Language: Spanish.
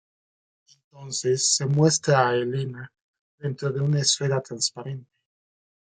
Entonces se muestra a Elena dentro de una esfera transparente.